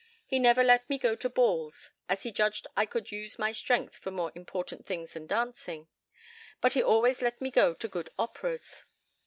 He never let me go to balls, as he judged I could use my strength for more important things than dancing; but he always let me go to good operas.